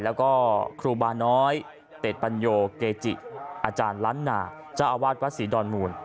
แล้วก็ครูบาน้อยเต็ดปัญโยเกจิอาจารย์ล้านนาเจ้าอาวาสวัดศรีดอนมูล